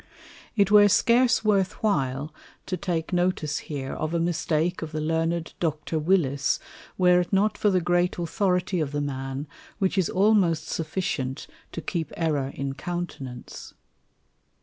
_] It were scarce worth while to take notice here of a Mistake of the Learned Dr. Willis, were it not for the great Authority of the Man, which is almost sufficient to keep Error in countenance.